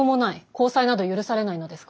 交際など許されないのですから。